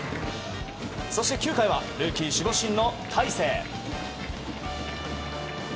そして９回はルーキー守護神の大勢。